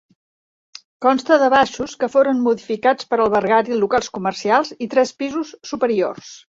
Consta de baixos, que foren modificats per albergar-hi locals comercials, i tres pisos superiors.